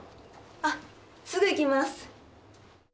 あっすぐ行きます。